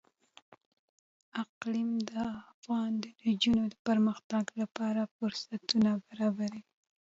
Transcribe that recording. اقلیم د افغان نجونو د پرمختګ لپاره فرصتونه برابروي.